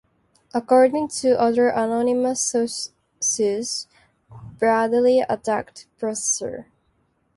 According to other anonymous sources, Bradley attacked Prosser.